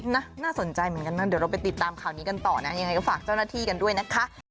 น่าสนใจเหมือนกันนะเดี๋ยวเราไปติดตามข่าวนี้กันต่อนะยังไงก็ฝากเจ้าหน้าที่กันด้วยนะคะ